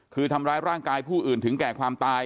คือทำร้ายร่างกายผู้อื่นถึงแก่ความตาย